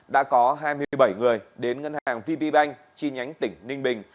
đã có hai mươi bảy người đến ngân hàng vb bank chi nhánh tỉnh ninh bình